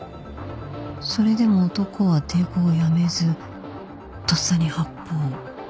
それでも男は抵抗をやめずとっさに発砲